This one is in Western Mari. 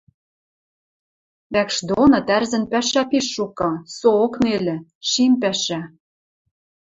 Вӓкш доны тӓрзӹн пӓшӓ пиш шукы, соок нелӹ, шим пӓшӓ.